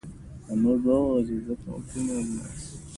د ژوند ژوره معنا په بل کې مه ګوره خپل باطن ته سفر وکړه